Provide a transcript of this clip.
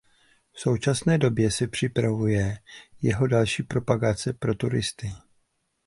V současné době se připravuje jeho další propagace pro turisty.